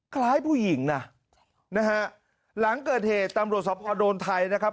คล้ายผู้หญิงนะนะฮะหลังเกิดเหตุตำรวจสภโดนไทยนะครับ